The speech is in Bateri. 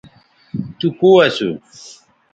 تو کو اسو